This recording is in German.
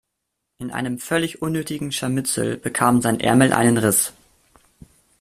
In einem völlig unnötigen Scharmützel bekam sein Ärmel einen Riss.